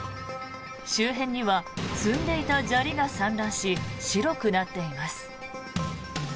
周辺には積んでいた砂利が散乱し白くなっています。